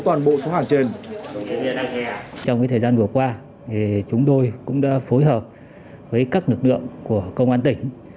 trong thời gian vừa qua chúng tôi cũng đã phối hợp với các lực lượng của công an tỉnh